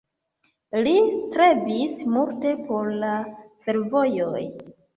Li strebis multe por la fervojoj.